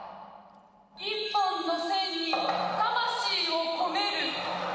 一本の線に魂を込める。